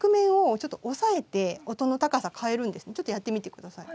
ちょっとやってみて下さい。